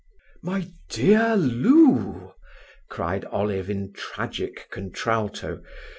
"My dear Lou!" cried Olive in tragic contralto.